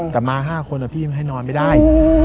แต่มา๕คนพี่ให้นอนไม่ได้